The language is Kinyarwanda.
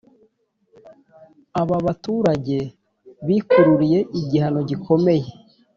Ababaturage bikururiye igihano gikomeye